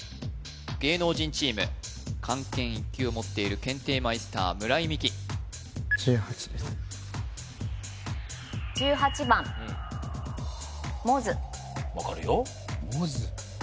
芸能人チーム漢検１級を持っている検定マイスター村井美樹分かるよ